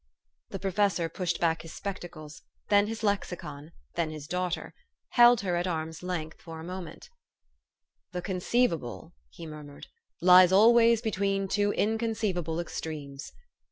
The professor pushed back his spectacles, then his lexicon, then his daughter; held her at arm's length for a moment. 210 THE STORY OF AVIS. "The conceivable," he murmured, "lies always between two inconceivable extremes.